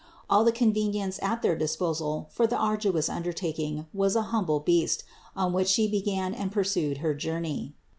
All the convenience at their disposal for the arduous undertaking was an hum ble beast, on which She began and pursued her journey.